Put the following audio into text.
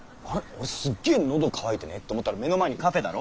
俺スッゲー喉渇いてねえ？と思ったら目の前にカフェだろ？